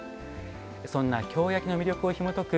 そんな京焼の魅力をひもとく